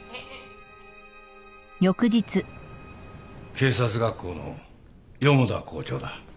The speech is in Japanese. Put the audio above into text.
警察学校の四方田校長だ。